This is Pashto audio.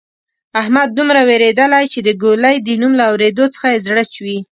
احمد دومره وېرېدلۍ چې د ګولۍ د نوم له اورېدو څخه یې زړه چوي.